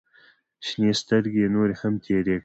شنې سترګې يې نورې هم تېرې کړې.